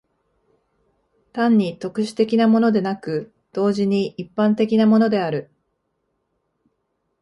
単に特殊的なものでなく、同時に一般的なものである。